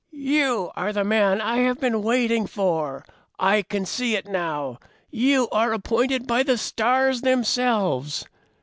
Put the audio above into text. "You are the man I have been waiting for. I can see it now! You are appointed by the stars themselves!